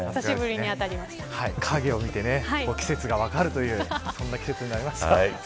影を見て季節が分かるというそんな季節になりました。